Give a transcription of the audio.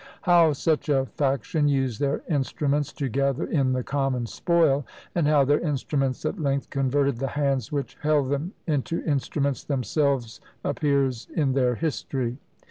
How such a faction used their instruments to gather in the common spoil, and how their instruments at length converted the hands which held them into instruments themselves, appears in their history.